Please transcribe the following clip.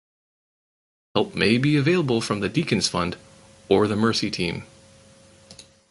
Help may be available from the Deacon’s Fund or the Mercy Team.